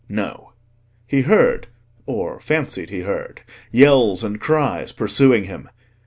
No. He heard, or fancied he heard, yells and cries pursuing him.